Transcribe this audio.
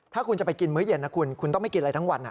ถ้าคุณจะไปกินมื้อเย็นนะคุณคุณต้องไม่กินอะไรทั้งวัน